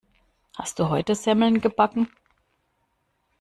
Hast du heute Semmeln gebacken?